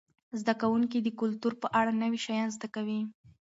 زده کوونکي د کلتور په اړه نوي شیان زده کوي.